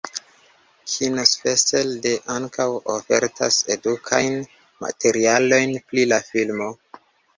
Kinofenster.de ankaŭ ofertas edukajn materialojn pri la filmo.